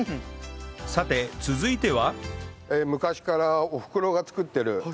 さて続いてはうわ！